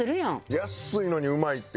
安いのにうまいっていう。